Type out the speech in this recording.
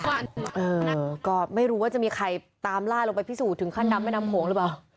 ก็ไม่รู้ว่าจะมีใครตามล่าลงไปพิสูจนถึงขั้นนำแม่น้ำโขงหรือเปล่า